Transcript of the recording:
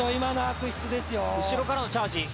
後ろからのチャージ。